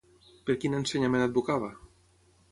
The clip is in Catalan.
Per quin ensenyament advocava?